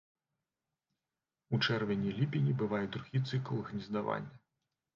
У чэрвені-ліпені бывае другі цыкл гнездавання.